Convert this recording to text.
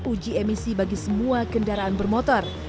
uji emisi bagi semua kendaraan bermotor